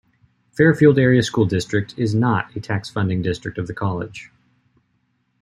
Fairfield Area School District is not a tax funding district of the College.